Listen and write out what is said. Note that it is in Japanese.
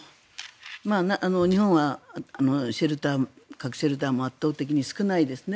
日本はシェルター核シェルターも圧倒的に少ないですね。